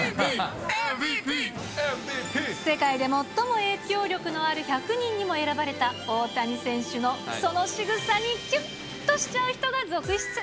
世界で最も影響力のある１００人にも選ばれた大谷選手のそのしぐさにキュンとしちゃう人が続出。